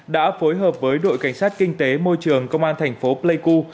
đã phối hợp với đội cảnh sát kinh tế môi trường công an thành phố pleiku